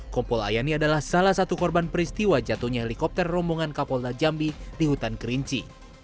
kompol ayani adalah salah satu korban peristiwa jatuhnya helikopter rombongan kapolda jambi di hutan kerinci